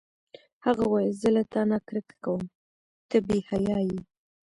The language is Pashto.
هغه وویل: زه له تا نه کرکه کوم، ته بې حیا یې.